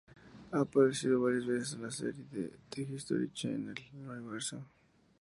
Ha aparecido varias veces en la serie de The History Channel, "El Universo".